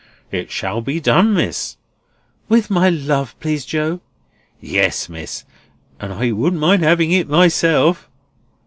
"It shall be done, Miss." "With my love, please, Joe." "Yes, Miss—and I wouldn't mind having it myself!"